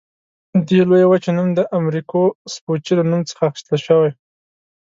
دې لویې وچې نوم د امریکو سپوچي له نوم څخه اخیستل شوی.